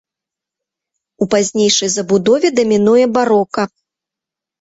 У пазнейшай забудове дамінуе барока.